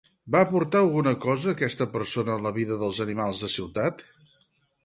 Va aportar alguna cosa aquesta persona a la vida dels animals de ciutat?